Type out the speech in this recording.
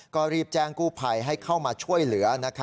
ก็รีบแจ้งกู้ภัยให้เข้ามาช่วยเหลือ